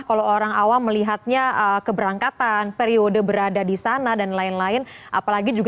baik ya meskipun umur